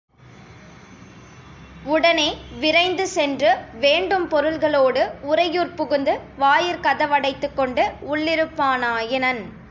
உடனே விரைந்து சென்று, வேண்டும் பொருள்களோடு உறையூர்ப் புகுந்து, வாயிற் கதவடைத்துக் கொண்டு உள்ளிருப்பானாயினன்.